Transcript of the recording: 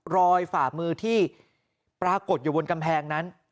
ฝ่ามือที่ปรากฏอยู่บนกำแพงนั้น